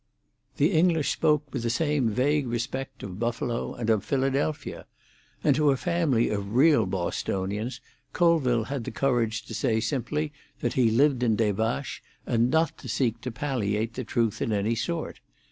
The English spoke with the same vague respect of Buffalo and of Philadelphia; and to a family of real Bostonians Colville had the courage to say simply that he lived in Des Vaches, and not to seek to palliate the truth in any sort.